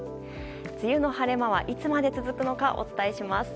梅雨の晴れ間はいつまで続くのかお伝えします。